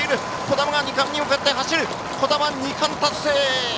兒玉は２冠に向かって走る２冠達成。